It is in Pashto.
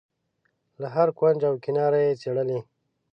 له هره کونج و کناره یې څېړلې.